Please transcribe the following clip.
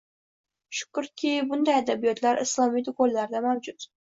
shukrki bunday adabiyotlar islomiy do‘konlarda mavjud.